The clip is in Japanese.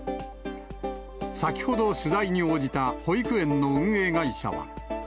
先ほど取材に応じた保育園の運営会社は。